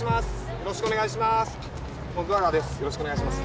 よろしくお願いします